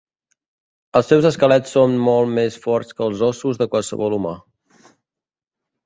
Els seus esquelets són molt més forts que els ossos de qualsevol humà.